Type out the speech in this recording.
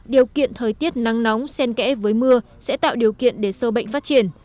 điều kiện thời tiết nắng nóng sen kẽ với mưa sẽ tạo điều kiện để sâu bệnh phát triển